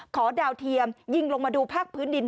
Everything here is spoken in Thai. ดาวเทียมยิงลงมาดูภาคพื้นดิน